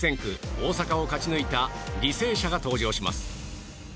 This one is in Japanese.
・大阪を勝ちに浮いた履正社が登場します。